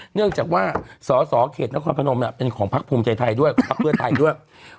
เนื่องจากว่าสสเขตนครพนมเนี่ยเป็นของพักภูมิใจไทยด้วย